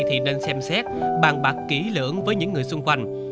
thì nên xem xét bàn bạc kỹ lưỡng với những người xung quanh